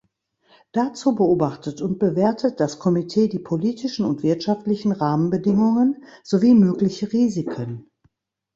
Dazu beobachtet und bewertet das Komitee die politischen und wirtschaftlichen Rahmenbedingungen sowie mögliche Risiken.